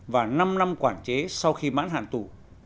và năm năm quản chế sau khi mãn hạn tù